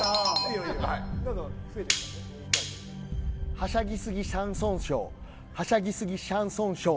はしゃぎすぎシャンソンショーはしゃぎすぎシャンソンショー。